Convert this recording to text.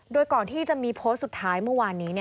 โดยก่อนที่จะมีโพสต์สุดท้ายเมื่อวานนี้